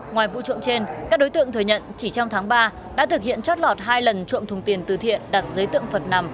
ngoài vụ trộm trên các đối tượng thừa nhận chỉ trong tháng ba đã thực hiện chót lọt hai lần trộm thùng tiền từ thiện đặt dưới tượng phần nằm